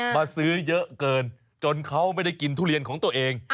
มาซื้อเยอะเกินจนเขาไม่ได้กินทุเรียนของตัวเอง